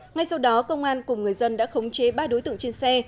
ngay sau đó công an cùng người dân đã khống chế ba đối tượng trên xe